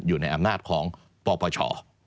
อยู่ในอำนาจของปปช